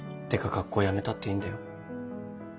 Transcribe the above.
学校辞めたっていいんだよ。